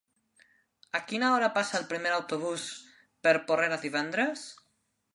A quina hora passa el primer autobús per Porrera divendres?